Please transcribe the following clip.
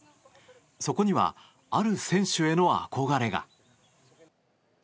そこにはある選手への憧れが。